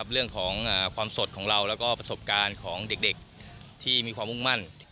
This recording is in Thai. เรื่องของความสดของเราแล้วก็ประสบการณ์ของเด็กที่มีความมุ่งมั่น